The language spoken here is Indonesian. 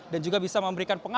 dan juga bisa memberikan pengaruh